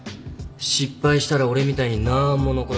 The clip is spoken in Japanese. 失敗したら俺みたいになーんも残らねえぞ。